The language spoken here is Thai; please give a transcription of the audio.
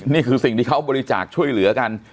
นี่คือสิ่งที่เขาบริจาคช่วยเหลือกัน